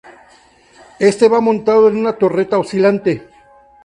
Éste va montado en una torreta oscilante.